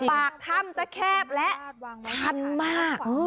ปากถ้ำจะแคบและชันมาก